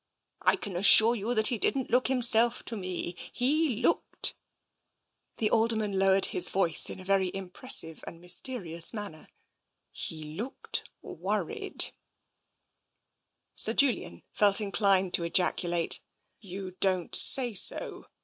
I can assure you that he didn't look himself, to me. He looked" — the Alderman low ered his voice in a very impressive and mysterious manner —" he looked worried/^ Sir Julian felt inclined to ejaculate, " You don't say so